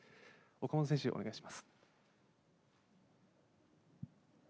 岡本選手、お願いいたします。